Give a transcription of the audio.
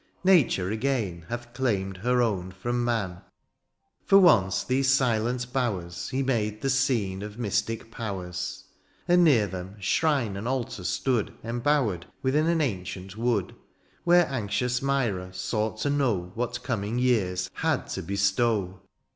Nature again hath claimed her own From man — ^for once these silent bowers He made the scene of mystic powers — And near them shrine and altar stood Embowered within an ancient wood ; Where anxious Myra sought to know What coming years had to bestow.